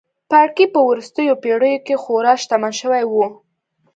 پاړکي په وروستیو پېړیو کې خورا شتمن شوي وو.